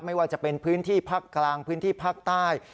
ไม่ว่าจะเป็นพื้นที่ภาคกลางพื้นที่ภาคใต้